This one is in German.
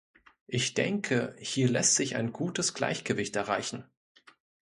Ich denke, hier lässt sich ein gutes Gleichgewicht erreichen.